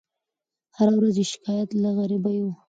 هره ورځ یې شکایت له غریبۍ وو